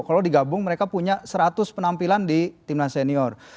kalau digabung mereka punya seratus penampilan di timnas senior